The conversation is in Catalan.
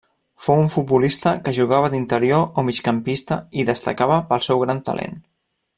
Fou un futbolista que jugava d'interior o migcampista i destacava pel seu gran talent.